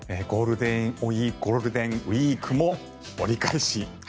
ゴールデンウィークも折り返し。